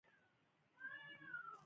کچالو ژمي ته مناسبه ده